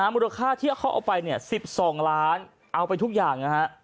มูลค่าที่เขาเอาไป๑๒ล้านเอาไปทุกอย่างนะฮะ